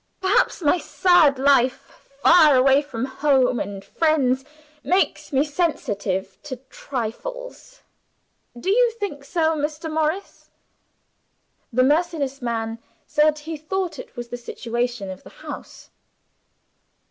Perhaps my sad life, far away from home and friends, makes me sensitive to trifles. Do you think so, Mr. Morris?" The merciless man said he thought it was the situation of the house.